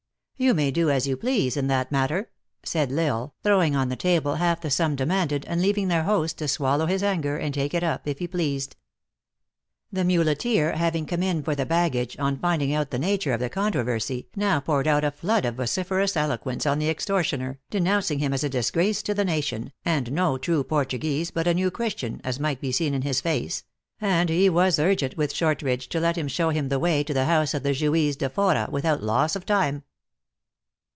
u You may do as you please in that matter," said L lsle, throwing on the table half the sum demanded, and leaving their host to swallow his anger, and take it up, if he pleased. The muleteer, having come in for the baggage, on finding out the nature of the controversy, now poured out a flood of vociferous eloquence on the extortioner, denouncing him as a disgrace to the nation, and no THE ACTRESS IN HIGH LIFE. 187 true Portuguese, but a "New Christian, as might be seen in his face ; and he was urgent with Shortridge to let him show him the way to the house of the Juiz de Fora without loss of time.